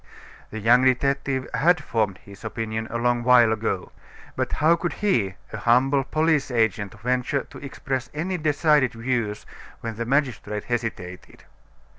The young detective had formed his opinion a long while ago. But how could he, a humble police agent, venture to express any decided views when the magistrate hesitated?